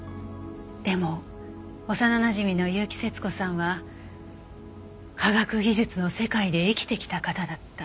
でも幼なじみの結城節子さんは科学技術の世界で生きてきた方だった。